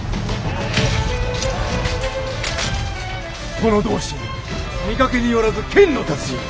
この同心見かけによらず剣の達人。